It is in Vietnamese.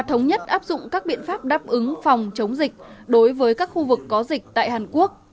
thống nhất áp dụng các biện pháp đáp ứng phòng chống dịch đối với các khu vực có dịch tại hàn quốc